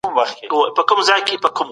نوښت د علمي پرمختګ لپاره اړین دی.